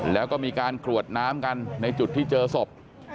แล้วก็มีการกรวดน้ำกันในจุดที่เจอศพ